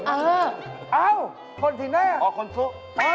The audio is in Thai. คำนี้สร้างมากเลยนะครับครับเอ้อเอ้อ